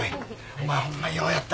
お前ホンマようやった。